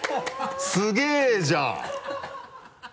すげぇじゃん。